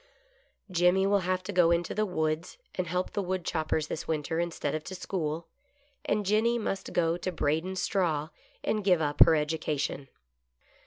Jimmy will have to go into the woods and help the woodchop pers this winter instead of to school, and Jenny must go to braidin' straw, and give up her education.